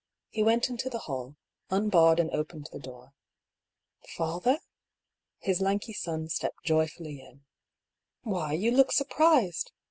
He went into the hall, unbarred and opened the door : "Father?" His lanky son stepped joyfully in. " Why, you look surprised